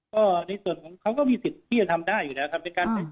ก็ในส่วนของเขาก็มีสิทธิ์ที่จะทำได้อยู่แล้วครับ